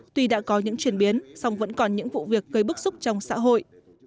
tuy đã có những chuyển biến song vẫn còn những vụ việc gây bức xúc trong xã hội